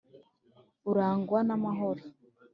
urangwa n’amahoro.